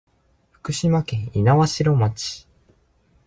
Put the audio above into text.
福島県猪苗代町